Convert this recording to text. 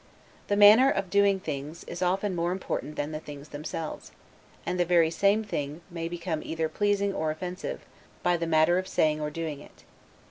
The manner of doing things is often more important than the things themselves; and the very same thing may become either pleasing or offensive, by the manner of saying or doing it.